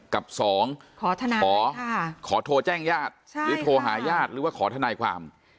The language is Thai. กับ๒ขอโทรแจ้งญาติหรือโทรหาญาติหรือว่าขอทนายความ